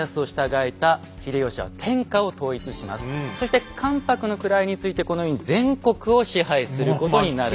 さあこうしてそして関白の位に就いてこのように全国を支配することになるんです。